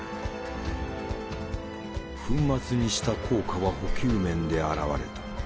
粉末にした効果は補給面で現れた。